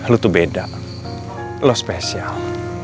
lo tuh beda lo spesial